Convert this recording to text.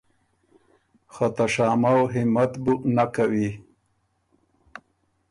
خه ته شامؤ همت بُو نک کوی۔